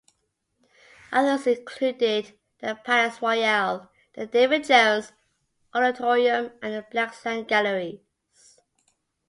Others included the Palais Royale, the David Jones Auditorium and the Blaxland Galleries.